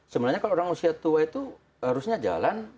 sebenarnya kalau orang usia tua itu harusnya jalan